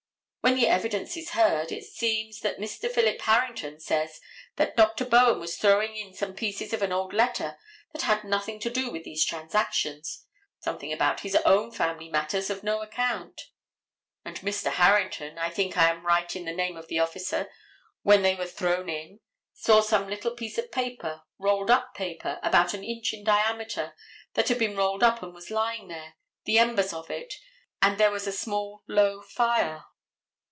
When the evidence is heard, it seems that Mr. Philip Harrington says that Dr. Bowen was throwing in some pieces of an old letter that had nothing to do with these transactions, something about his own family matters of no account. And Mr. Harrington, I think I am right in the name of the officer, when they were thrown in, saw some little piece of paper, rolled up paper, about an inch in diameter, that had been rolled up and was lying there, the embers of it, and there was a small, low fire.